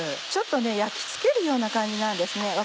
ちょっと焼き付けるような感じなんですね。